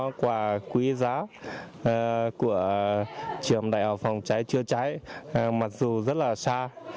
chúng tôi cũng rất là quý giá của trường đại học phòng trái chưa trái mặc dù rất là xa